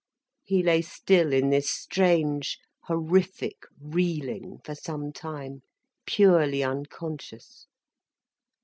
He lay still in this strange, horrific reeling for some time, purely unconscious.